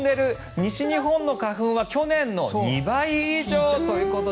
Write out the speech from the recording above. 西日本の花粉は去年の２倍以上！ということで。